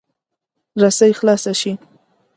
رسۍ خلاصه شي.